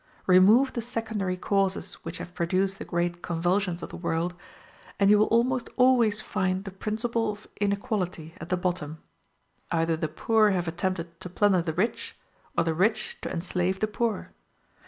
Remove the secondary causes which have produced the great convulsions of the world, and you will almost always find the principle of inequality at the bottom. Either the poor have attempted to plunder the rich, or the rich to enslave the poor.